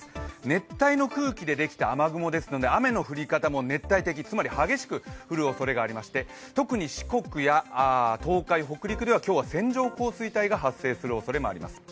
熱帯の空気でできた雨雲ですので、雨の降り方も熱帯低気圧、つまり激しく降るおそれがありまして特に四国、東海、北陸では今日は線状降水帯が発生するおそれがあります。